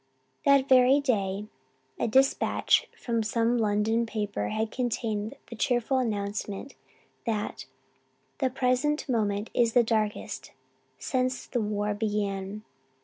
That very day a dispatch from some London paper had contained the cheerful announcement that "the present moment is the darkest since the war began."